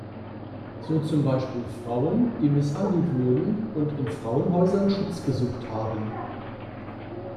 So zum Beispiel Frauen, die misshandelt wurden und in Frauenhäusern Schutz gesucht haben.